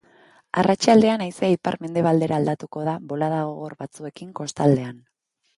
Arratsaldean haizea ipar-mendebaldera aldatuko da bolada gogor batzuekin kostaldean.